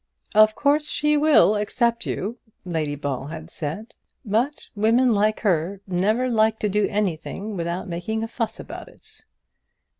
"Of course she will accept you," Lady Ball had said, "but women like her never like to do anything without making a fuss about it."